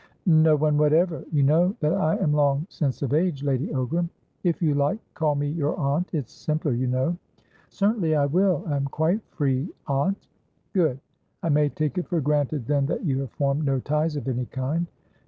"No one whatever. You know that I am long since of age, Lady Ogram." "If you like, call me your aunt. It's simpler, you know." "Certainly I will. I am quite free, aunt." "Good. I may take it for granted, then, that you have formed no ties of any kind?"